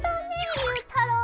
ゆうたろう。